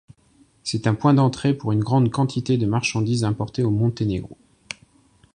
C'est un point d'entrée pour une grande quantité de marchandises importées au Monténégro.